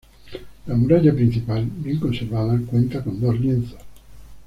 La muralla principal, bien conservada, cuenta con dos lienzos.